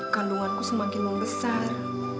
kandunganku semakin membesar